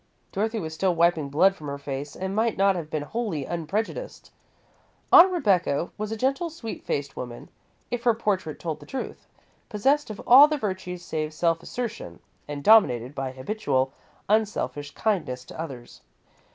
Dorothy was still wiping blood from her face and might not have been wholly unprejudiced. Aunt Rebecca was a gentle, sweet faced woman, if her portrait told the truth, possessed of all the virtues save self assertion and dominated by habitual, unselfish kindness to others.